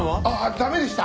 駄目でした。